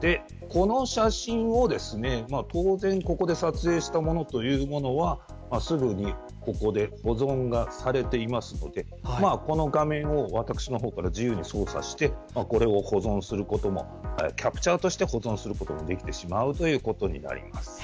で、この写真を当然ここで撮影したものというものはすぐに保存がされていますのでこの画面を私の方から自由に操作して、保存することもキャプチャーとして保存することもできてしまうということになります。